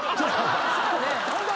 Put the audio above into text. そうだね！